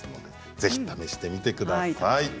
ぜひ試してみてください。